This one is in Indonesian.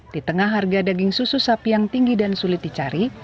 di tengah harga daging susu sapi yang tinggi dan sulit dicari